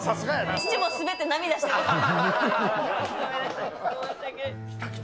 父も滑って涙してた。